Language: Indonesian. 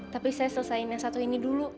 tapi saya selesaikan yang satu ini dulu